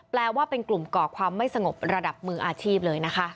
แปลว่าเป็นกลุ่มก่อความไม่สงบระดับมืออาชีพเลยนะคะ